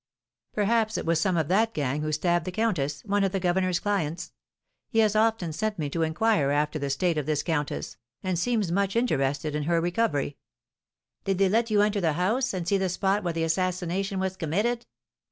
"Perhaps it was some of that gang who stabbed the countess, one of the governor's clients. He has often sent me to inquire after the state of this countess, and seems much interested in her recovery." "Did they let you enter the house and see the spot where the assassination was committed?"